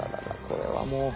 これはもう。